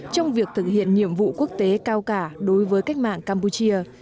trong việc thực hiện nhiệm vụ quốc tế cao cả đối với cách mạng campuchia